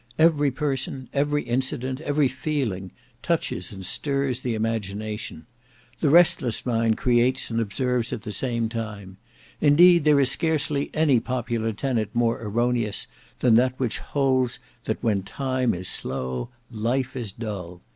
Every person, every incident, every feeling, touches and stirs the imagination. The restless mind creates and observes at the same time. Indeed there is scarcely any popular tenet more erroneous than that which holds that when time is slow, life is dull.